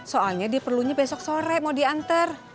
soalnya dia perlunya besok sore mau diantar